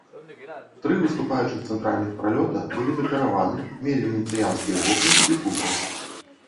Тры выступаючых цэнтральных пралёта былі дэкараваны, мелі венецыянскія вокны і купал.